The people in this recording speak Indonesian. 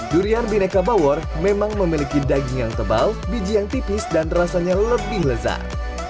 durian bineka bawor memang memiliki daging yang tebal biji yang tipis dan rasanya lebih lezat